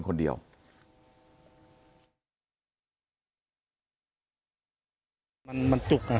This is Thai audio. คุณยายบอกว่ารู้สึกเหมือนใครมายืนอยู่ข้างหลัง